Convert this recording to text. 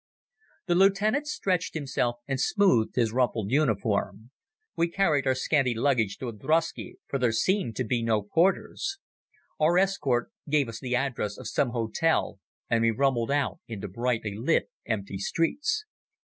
The lieutenant stretched himself and smoothed his rumpled uniform. We carried our scanty luggage to a droschke, for there seemed to be no porters. Our escort gave the address of some hotel and we rumbled out into brightly lit empty streets.